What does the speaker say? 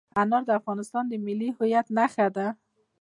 انار د افغانستان د ملي هویت نښه ده.